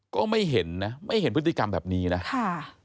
ก็ไม่เห็นนะไม่เห็นพฤติกรรมแบบนี้นะค่ะ